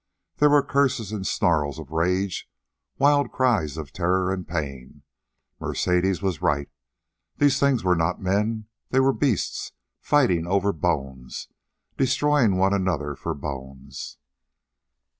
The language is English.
There were curses and snarls of rage, wild cries of terror and pain. Mercedes was right. These things were not men. They were beasts, fighting over bones, destroying one another for bones.